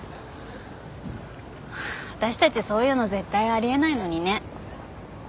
私たちそういうの絶対あり得ないのにね。